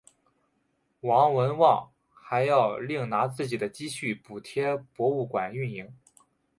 王文旺还要另拿自己的积蓄补贴博物馆运营。